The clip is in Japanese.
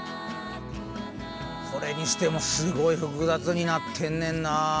それにしてもすごい複雑になってんねんな。